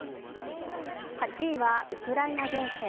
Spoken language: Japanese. ８位はウクライナ情勢。